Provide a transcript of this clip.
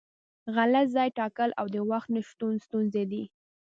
غلط ځای ټاکل او د وخت نشتون ستونزې دي.